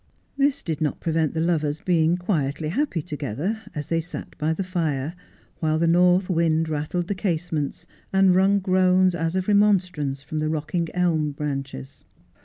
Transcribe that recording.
This did not prevent the lovers being quietly happy together, as they sat by the fire, while the north wind rattled the casements and wrung groans as of remonstrance from the rocking elm branches.